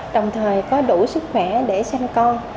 đồng thời có đủ sức khỏe để sanh con